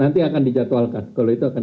nanti akan dijadwalkan kalau itu akan